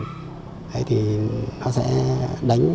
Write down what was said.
thế thì nó sẽ đánh